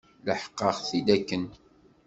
Leḥqeɣ-t-id akken.